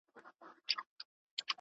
په دنيا او آخرت کي خير د چا لپاره دی؟